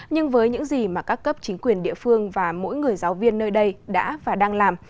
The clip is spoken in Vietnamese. nhưng với những gì mà các cấp chính quyền địa phương và mỗi người giáo viên nơi đây đã và đang làm